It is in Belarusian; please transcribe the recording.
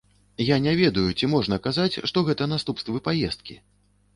Я не ведаю, ці можна казаць, што гэта наступствы паездкі?